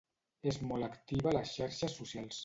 És molt activa a les xarxes socials.